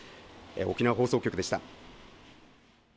沖縄放送局でした。